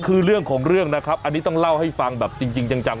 คือเรื่องของเรื่องนะครับอันนี้ต้องเล่าให้ฟังแบบจริงจัง